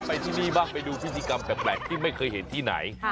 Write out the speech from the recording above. ที่นี่บ้างไปดูพิธีกรรมแปลกที่ไม่เคยเห็นที่ไหน